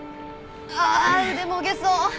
ああ腕もげそう！